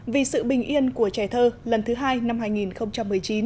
vì sự bình yên của trẻ thơ lần thứ hai năm hai nghìn một mươi chín